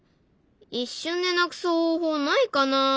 一瞬でなくす方法ないかな？